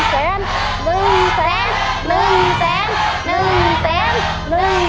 ๑แสน